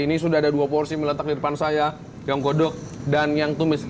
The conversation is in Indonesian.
ini sudah ada dua porsi mie letak di depan saya yang godok dan yang tumis